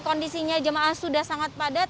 kondisinya jemaah sudah sangat padat